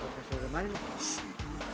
kayaknya sudah main